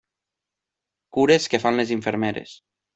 Cures que fan les infermeres.